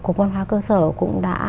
cục văn hóa cơ sở cũng đã